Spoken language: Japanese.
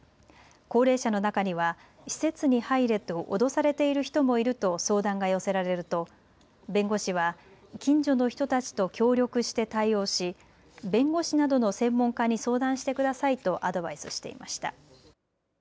高齢者の中には施設に入れと脅されている人もいると相談が寄せられると、弁護士は近所の人たちと協力して対応し弁護士などの専門家に相談してくださいとアドバイスしていました。